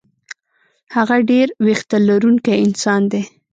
هغه ډېر وېښته لرونکی انسان دی.